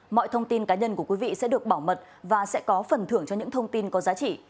mọi thông tin cá nhân của quý vị sẽ được bảo mật và sẽ có phần thưởng cho những thông tin có giá trị